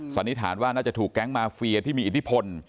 สันนิษฐานว่าน่าจะถูกแก๊งมาเฟียที่มีอิทธิพล